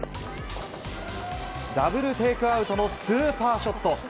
ダブルテイクアウトのスーパーショット。